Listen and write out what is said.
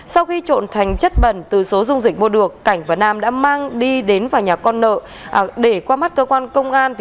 sau khi trộn thành chất bẩn từ số dung dịch mua được cảnh và nam đã mang đi đến vào nhà con nợ để qua mắt cơ quan công an